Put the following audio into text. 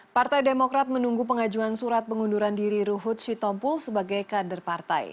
partai demokrat menunggu pengajuan surat pengunduran diri ruhut sitompul sebagai kader partai